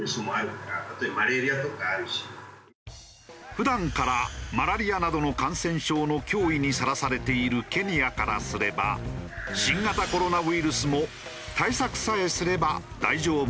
普段からマラリアなどの感染症の脅威にさらされているケニアからすれば新型コロナウイルスも対策さえすれば大丈夫と語る。